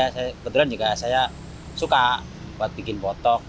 kebetulan juga saya suka buat bikin botok